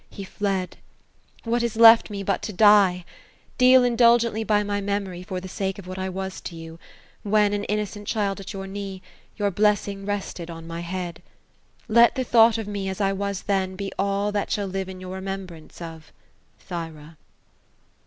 He fled. What is left roe, but to die? Deal indulgently by my memory, for the sake of what I was to you, when, — an innocent child at your knee, — your blessing rest ed on my head. Let the thought of me, as I was then, be all that shall live in your remembrance of Thyra."